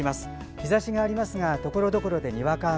日ざしがありますがところどころでにわか雨。